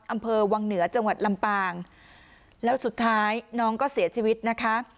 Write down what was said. อำเภอวังเหนือจังหวัดลำปางแล้วสุดท้ายน้องก็เสียชีวิตนะคะ